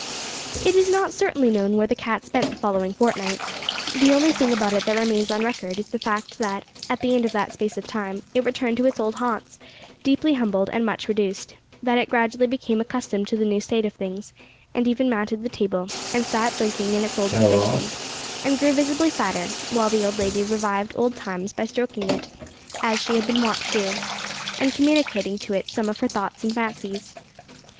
It is not certainly known where that cat spent the following fortnight. The only thing about it that remains on record is the fact that, at the end of that space of time, it returned to its old haunts, deeply humbled, and much reduced; that it gradually became accustomed to the new state of things, and even mounted the table, and sat blinking in its old position, and grew visibly fatter, while the old lady revived old times by stroking it, as she had been wont to, and communicating to it some of her thoughts and fancies.